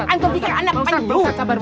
antum pikir anak panju